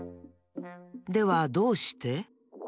ではどうして？